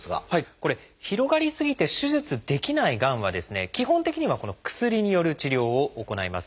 これ広がり過ぎて手術できないがんは基本的にはこの薬による治療を行います。